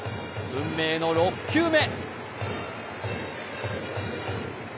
運命の６球目。